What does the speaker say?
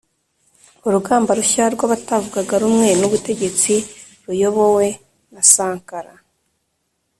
Urugamba rushya rw’abatavuga rumwe n’ubutegetsi ruyobowe na Sankara